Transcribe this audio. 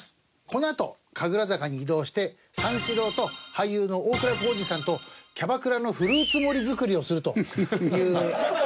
このあと神楽坂に移動して三四郎と俳優の大倉孝二さんとキャバクラのフルーツ盛り作りをするという。